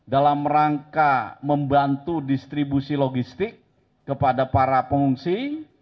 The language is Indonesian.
dalam rangka membantu distribusi logistik kepada para pengungsi